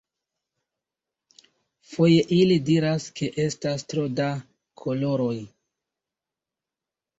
Foje, ili diras ke estas tro da koloroj.